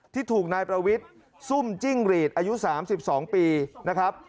ที่ถูกนายประวิทย์ซุ่มจิ้งหรีดอายุ๓๒ปีนะครับ